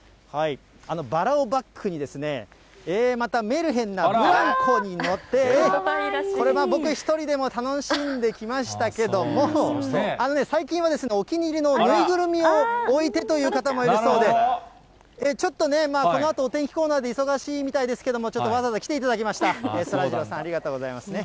バラをバックにですね、またメルヘンなブランコに乗って、これ、僕一人でも楽しんできましたけども、最近はですね、お気に入りの縫いぐるみを置いてという方もいるそうで、ちょっとね、このあとお天気コーナーで忙しいみたいですけども、ちょっとわざわざ来ていただきました、そらジローさん、ありがとうございますね。